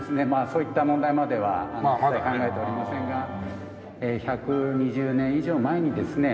そういった問題までは考えておりませんが１２０年以上前にですね